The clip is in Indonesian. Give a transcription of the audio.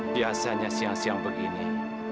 biasanya siang siang begini